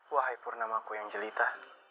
wahai purnamaku yang jelita